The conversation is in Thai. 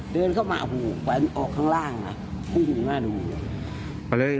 เดินเข้ามาออกข้างล่างน่าดู